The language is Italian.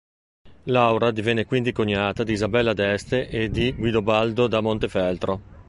Laura divenne quindi cognata di Isabella d'Este e di Guidobaldo da Montefeltro.